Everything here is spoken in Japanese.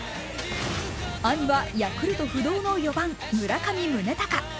兄はヤクルト不動の４番・村上宗隆。